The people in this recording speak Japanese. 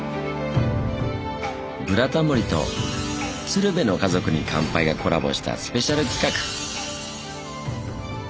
「ブラタモリ」と「鶴瓶の家族に乾杯」がコラボしたスペシャル企画。